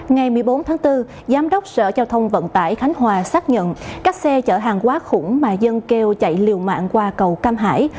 ngày một mươi bốn tháng bốn giám đốc sở giao thông vận tải khánh hòa xác nhận các xe chở hàng quá khủng mà dân kêu chạy liều mạng qua cầu cam hải